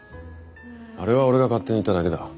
あれは俺が勝手に行っただけだ。